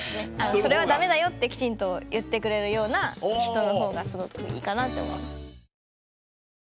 「それはダメだよ」ってきちんと言ってくれるような人のほうがすごくいいかなって思います。